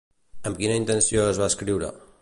Amb quina intenció es va escriure?